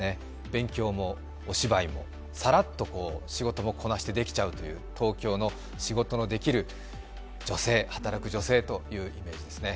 勉強もお芝居も、さらっと仕事もこなしてできちゃうという東京の仕事のできる女性、働く女性というイメージですね。